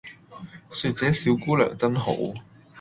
說這小姑娘真好